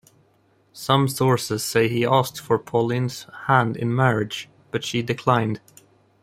Some sources say he asked for Pauline's hand in marriage, but she declined.